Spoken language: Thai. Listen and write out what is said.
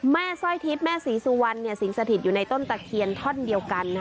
สร้อยทิพย์แม่ศรีสุวรรณสิงสถิตอยู่ในต้นตะเคียนท่อนเดียวกัน